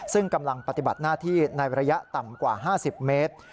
ซึ่งกำลังปฏิบัติหน้าที่ในระยะต่ำกว่า๕๐เมตร